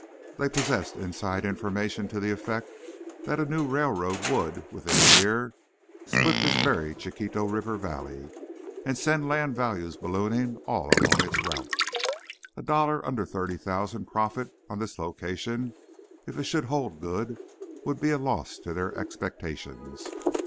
They possessed inside information to the effect that a new railroad would, within a year, split this very Chiquito River valley and send land values ballooning all along its route. A dollar under thirty thousand profit on this location, if it should hold good, would be a loss to their expectations.